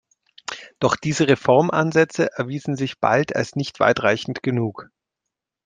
Doch diese Reformansätze erwiesen sich bald als nicht weitreichend genug.